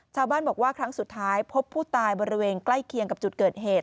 ชาวบ้านบอกว่าครั้งสุดท้ายพบผู้ตายบริเวณใกล้เคียงกับจุดเกิดเหตุ